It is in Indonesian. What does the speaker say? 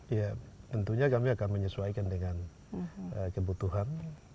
ya tentunya kami akan menyesuaikan dengan kebutuhan